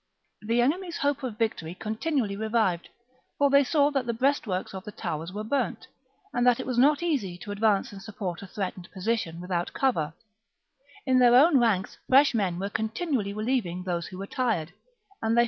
The enemy's hope of victory continually revived, for they saw that the breastworks of the towers ^ were burnt, and that it was not easy to advance and support a threatened position without cover ; in their own ranks fresh men were continually relieving those who were tired, and they felt that on that moment {Caesar's Co7iquest of Gaul, pp.